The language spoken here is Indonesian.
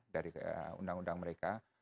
dari undang undang mereka